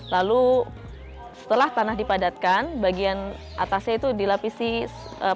lalu setelah tanah dipadatkan bagian atasnya itu dilapisi